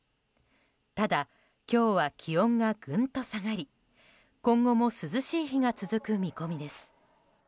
ただ、今日は気温がぐんと下がり今後も涼しい日が続く見込みです。